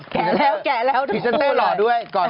แกะแล้วทุกพิเศษเต้หล่อด้วย